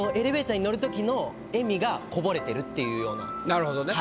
なるほどね。